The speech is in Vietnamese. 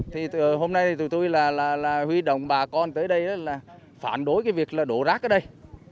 thì hôm nay tụi tôi là huy động bà con tới đây là phản đối cái việc là đổ rác ở đây